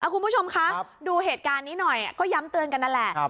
คุณผู้ชมคะดูเหตุการณ์นี้หน่อยก็ย้ำเตือนกันนั่นแหละ